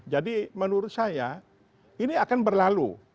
jadi menurut saya ini akan berlalu